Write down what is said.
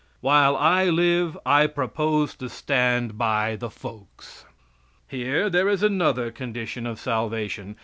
While I live I propose to stand by the folks. Here there is another condition of salvation.